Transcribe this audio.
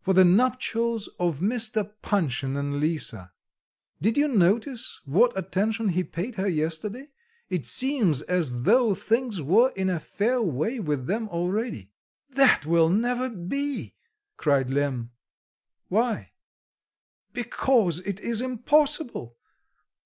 "For the nuptials of Mr. Panshin and Lisa. Did you notice what attention he paid her yesterday? It seems as though things were in a fair way with them already." "That will never be!" cried Lemm. "Why?" "Because it is impossible.